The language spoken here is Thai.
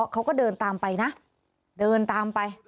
เขาก็เดินตามไปนะเดินตามไป